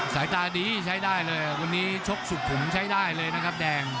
สายตาดีใช้ได้เลยวันนี้ชกสุขุมใช้ได้เลยนะครับแดง